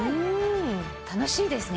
楽しいですね